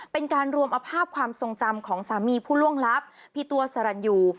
เป็นการรวมเอาภาพความทรงจำของสามีผู้ล่วงลับพี่ตัวสรรยู